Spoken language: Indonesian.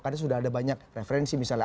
karena sudah ada banyak referensi misalnya